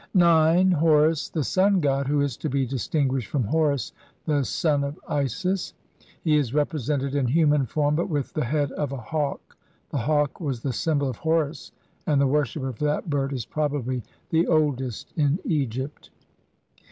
CII INTRODUCTION. 9. Horus, the sun god, who is to be distinguished from Horus the son of Isis. He is represented in human form but with the head of a hawk ; the hawk was the symbol of Horus, and the worship of that bird is probably the oldest in Egypt.